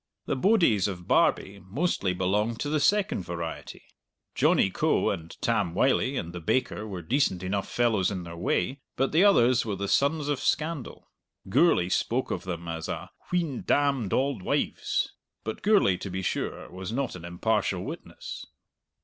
The bodies of Barbie mostly belonged to the second variety. Johnny Coe and Tam Wylie and the baker were decent enough fellows in their way, but the others were the sons of scandal. Gourlay spoke of them as a "wheen damned auld wives." But Gourlay, to be sure, was not an impartial witness.